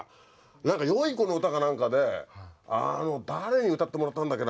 何かよい子の歌か何かであの誰に歌ってもらったんだっけな？